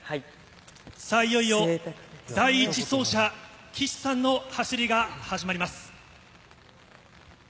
いよいよ第１走者・岸さんの走りが始まります。